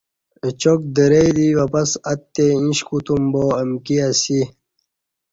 اچاک درئ دی واپس اتی ایݩش کوتوم با امکی اسی۔